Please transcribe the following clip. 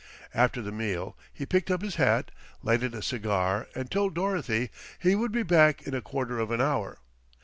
After the meal he picked up his hat, lighted a cigar and told Dorothy he would be back in a quarter of an hour.